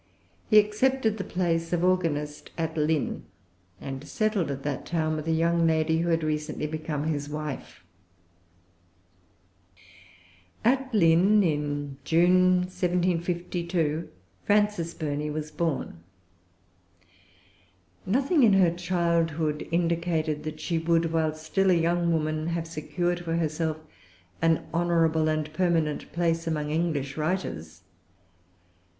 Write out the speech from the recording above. He accepted the place of organist, at Lynn, and settled at that town with a young lady who had recently become his wife. At Lynn, in June, 1752, Frances Burney was born. Nothing in her childhood indicated that she would, while still a young woman, have secured for herself an honorable and permanent place among English writers.